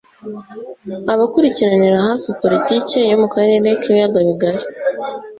abakurikiranira hafi politiki yo mu karere k’ibiyaga bigari